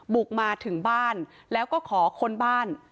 บุกมาถึงบ้านแล้วก็ขอค้นบ้าน